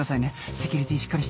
セキュリティーしっかりして。